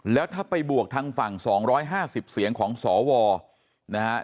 แล้วถ้าไปบวกทางฝั่ง๒๕๐เสียงของสวนะฮะ